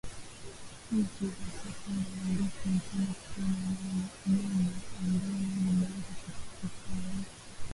fupi za kati na ndefu Mfano Kama nyanya ambayo imeaza kusitawi